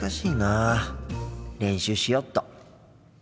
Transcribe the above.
練習しよっと。